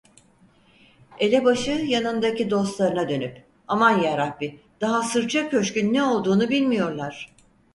Elebaşı yanındaki dostlarına dönüp: "Aman yarabbi, daha sırça köşkün ne olduğunu bilmiyorlar."